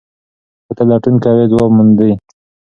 که ته لټون کوې ځواب موندې.